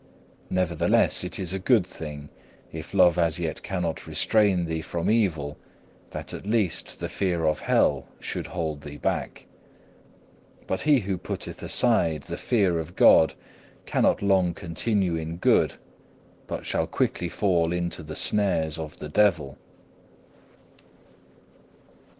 Nevertheless it is a good thing, if love as yet cannot restrain thee from evil, that at least the fear of hell should hold thee back. But he who putteth aside the fear of God cannot long continue in good, but shall quickly fall into the snares of the devil.